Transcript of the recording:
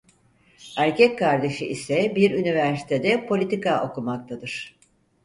Erkek kardeşi ise bir üniversitede politika okumaktadır.